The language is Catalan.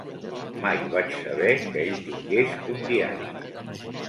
Mai vaig saber que ell tingués un diari.